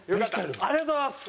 ありがとうございます。